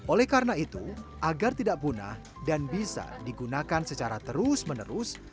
oleh karena itu agar tidak punah dan bisa digunakan secara terus menerus